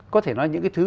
có thể nói những cái thứ